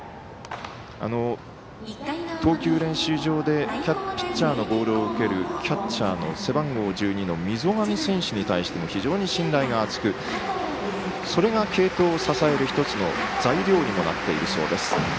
投球練習場でピッチャーのボールを受けるキャッチャーの背番号１２の溝上選手に対しても非常に信頼が厚くそれが継投を支える、１つの材料にもなっているそうです。